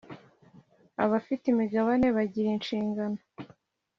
Abafite imigabane bagira inshingano